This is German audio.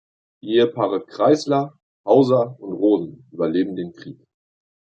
Die Ehepaare Kreisler, Hauser und Rosen überleben den Krieg.